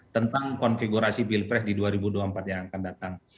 tentang konfigurasi pilpres di dua ribu dua puluh empat yang akan datang